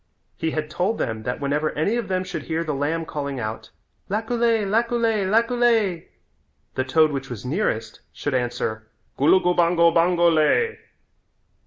He had told them that whenever any of them should hear the lamb calling out, "Laculay, laculay, laculay," the toad which was nearest should answer, "Gulugubango, bango lay."